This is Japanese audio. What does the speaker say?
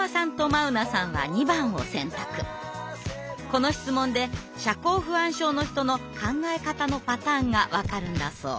この質問で社交不安症の人の考え方のパターンが分かるんだそう。